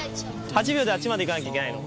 ８秒であっちまで行かなきゃいけないの？